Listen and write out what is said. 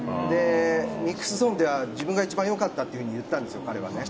ミックスゾーンでは自分が一番良かったって言ったんですよ。